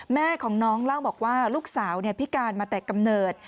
แม่ของน้องเล่าบอกว่าลูกสาวพิการมาแต่กำเนิด